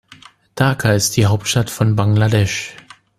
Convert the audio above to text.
Dhaka ist die Hauptstadt von Bangladesch.